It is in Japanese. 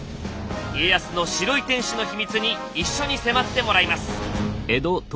家康の白い天守の秘密に一緒に迫ってもらいます。